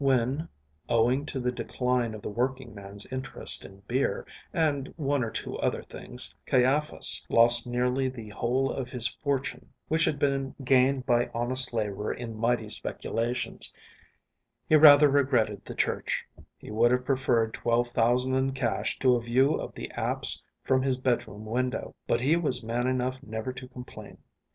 When, owing to the decline of the working man's interest in beer, and one or two other things, Caiaphas lost nearly the whole of his fortune, which had been gained by honest labour in mighty speculations, he rather regretted the church; he would have preferred twelve thousand in cash to a view of the apse from his bedroom window; but he was man enough never to complain.